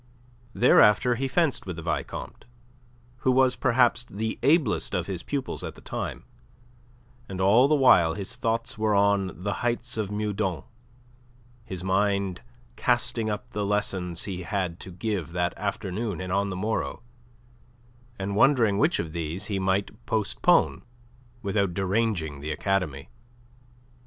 Thereafter he fenced with the Vicomte, who was perhaps the ablest of his pupils at the time, and all the while his thoughts were on the heights of Meudon, his mind casting up the lessons he had to give that afternoon and on the morrow, and wondering which of these he might postpone without deranging the academy.